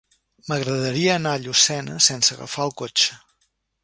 M'agradaria anar a Llucena sense agafar el cotxe.